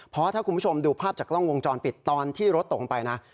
เพราะถ้าคุณผู้ชมดูภาพจากกล้องวงจรปิดตอนที่รถตกลงไปนะ